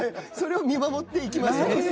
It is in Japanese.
それを見守っていきましょう。